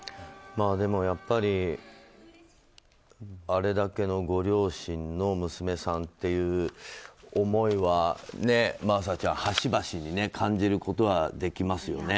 でもやっぱり、あれだけのご両親の娘さんっていう思いは、真麻ちゃん端々に感じることはできますよね。